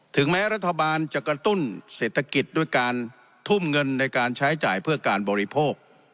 ถึงแม้รัฐบาลจะกระตุ้นเศรษฐกิจด้วยการทุ่มเงินในการใช้จ่ายเพื่อการบริโภค